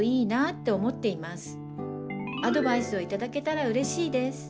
アドバイスを頂けたらうれしいです。